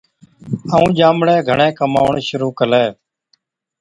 ائُون ڄامڙَي گھڻَي ڪماوَڻ شرُوع ڪلَي۔